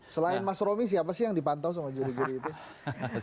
selain mas romi siapa sih yang dipantau sama juri juri itu